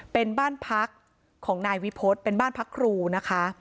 เป็นบ้านพักของนายวิพฤษเป็นบ้านพักครูนะคะ